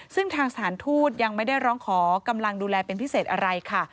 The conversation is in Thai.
ซึ่งทางสถานทูตยังไม่ได้ร้องขอกำลังดูแลเป็นพิเศษอะไรค่ะ